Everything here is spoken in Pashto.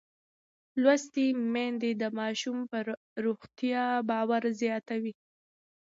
لوستې میندې د ماشوم پر روغتیا باور زیاتوي.